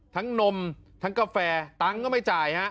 นมทั้งกาแฟตังค์ก็ไม่จ่ายฮะ